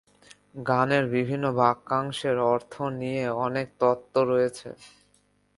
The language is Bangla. গানের বিভিন্ন বাক্যাংশের অর্থ নিয়ে অনেক তত্ত্ব রয়েছে।